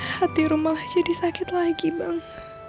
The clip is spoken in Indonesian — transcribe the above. hati rum malah jadi sakit lagi bang